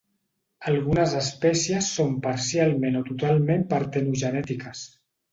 Algunes espècies són parcialment o totalment partenogenètiques.